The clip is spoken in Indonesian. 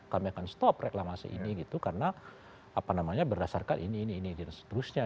kami akan stop reklamasi ini gitu karena apa namanya berdasarkan ini ini ini dan seterusnya